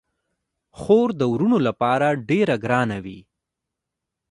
خور د وروڼو لپاره ډیره ګرانه وي.